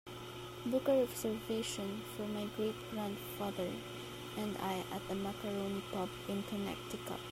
Book a reservation for my great grandfather and I at a macaroni pub in Connecticut